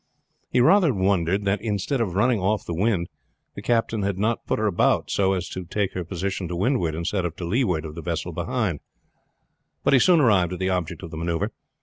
He rather wondered that, instead of running off the wind, the captain had not put her about so as to take her position to windward instead of to leeward of the vessel behind; but he soon arrived at the object of the maneuver.